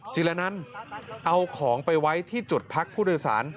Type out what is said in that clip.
จิลนันเอาของไปไว้ที่จุดพักผู้โดยสาร